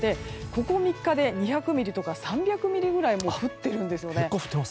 ここ３日で２００ミリとか３００ミリくらいもう降ってるんですよね。